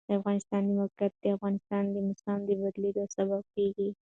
د افغانستان د موقعیت د افغانستان د موسم د بدلون سبب کېږي.